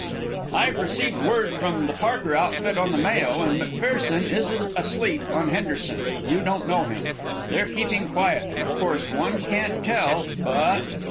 "I've received word from the Parker outfit on the Mayo, and McPherson isn't asleep on Henderson you don't know him. They're keeping quiet, and of course one can't tell, but